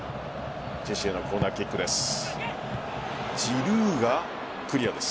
ジエシュのコーナーキックです。